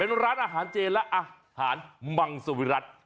เป็นร้านอาหารเจนและอาหารมังสวิรัติ